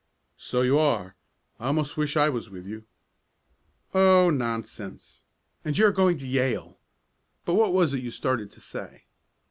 "So you are. I almost wish I was with you." "Oh, nonsense! And you going to Yale! But what was it you started to say?"